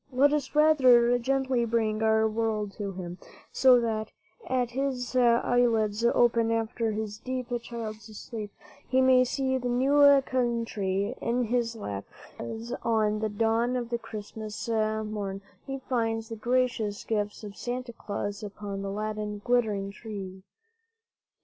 Let us rather gently bring oiir world to him, so that, as his eye lids open after his deep child's sleep, he may see this new coun try in his lap, as on the dawn of the Christmas morn he finds the gracious gifts of Santa Claus upon the laden, glittering tree.